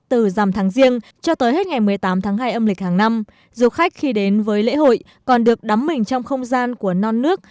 từ dằm tháng riêng cho tới hết ngày một mươi tám tháng hai âm lịch hàng năm du khách khi đến với lễ hội còn được đắm mình trong không gian của non nước